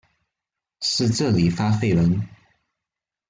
是這裡發廢文？